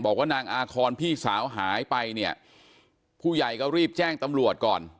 บอกว่านางอาคอนพี่สาวหายไปเนี่ยผู้ใหญ่ก็รีบแจ้งตำรวจก่อน